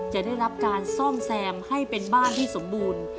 จะได้รับการซ่อมแซมให้เป็นบ้านที่สมบูรณ์